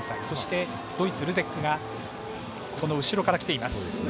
そして、ドイツ、ルゼックがその後ろから来ています。